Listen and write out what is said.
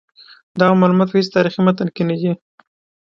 دغه معلومات په هیڅ تاریخي متن کې نه دي.